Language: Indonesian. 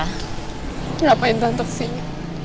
ngapain tante sini